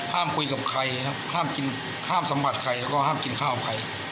ห้ามคุยกับใครนะครับห้ามกินห้ามสมัครใครแล้วก็ห้ามกินข้าวของใคร